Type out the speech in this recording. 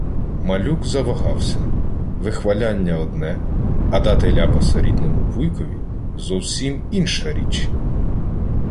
Малюк завагався. Вихваляння — одне, а дати ляпаса рідному вуйкові — зовсім інша річ.